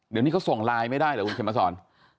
เดี๋ยวนี้เขาส่งไลน์ไม่ได้เหรอคุณเข็มมาสอน